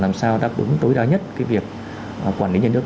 làm sao đáp ứng tối đa nhất cái việc quản lý nhà nước